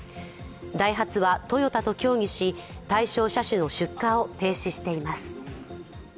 ダイハツはトヨタと協議し対象車種の出荷を停止しています。